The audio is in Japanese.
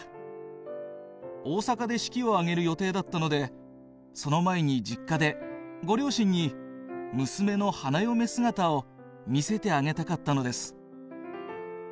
大阪で式をあげる予定だったので、その前に実家でご両親に娘の花嫁姿を見せてあげたかったのです」。